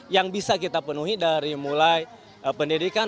yang bisa kita penuhi dari mulai pendidikan